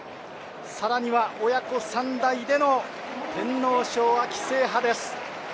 さらには、親子３代での天皇賞制覇です。